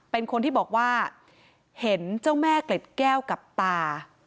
เป็นคนที่บอกว่าเห็นเจ้าแม่เกล็ดแก้วกับตา